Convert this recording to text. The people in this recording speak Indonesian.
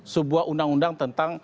sebuah undang undang tentang